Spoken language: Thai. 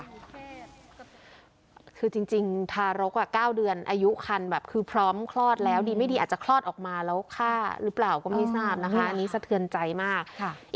คือจริงทารก๙เดือนอายุคันแบบคือพร้อมคลอดแล้วดีไม่ดีอาจจะคลอดออกมาแล้วฆ่าหรือเปล่าก็ไม่ทราบนะคะอันนี้สะเทือนใจมาก